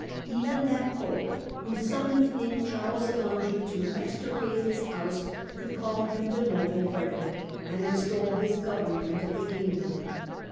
Even that Pope who summoned in Charles of Anjou to extirpate his house could call him " the noble Frederick " and extol his government of the Kingdom.